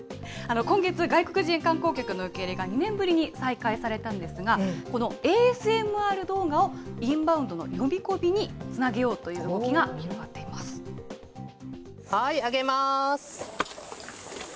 今月、外国人観光客の受け入れが２年ぶりに再開されたんですが、このＡＳＭＲ動画をインバウンドの呼び込みにつなげようという動はい、あげます。